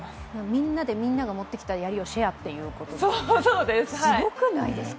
みんなでみんなが持ってきたやりをシェアということですか、すごくないですか？